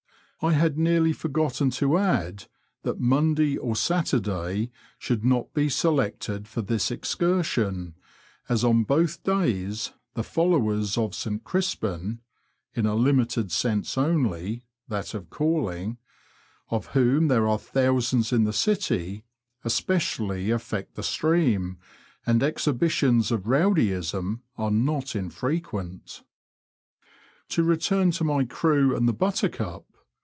I had nearly forgotten to add that Monday or Saturday should not be selected for this excursion, as on both days the followers of St Crispin (in a limited sense only — that of calling), of whom there are thousands in the city, especially affect the stream, and exhi bitions of rowdyism are not infrequent. To return to my crew and the Buttercup.